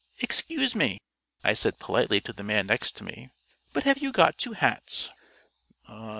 "Excuse me," I said politely to the man next to me, "but have you got two hats?"